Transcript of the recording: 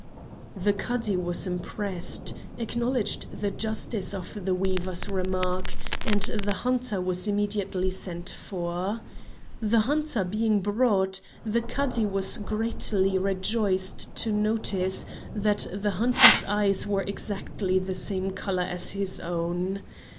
The Cadi was impressed, acknowledged the justice of the weaver's remarks, and the hunter was immediately sent for. The hunter being brought, the Cadi was greatly rejoiced to notice that the hunter's eyes were exactly the same color as his own.